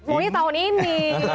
umumnya tahun ini